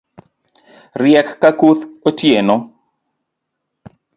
Riek ka kuth otieno